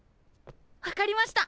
分かりました！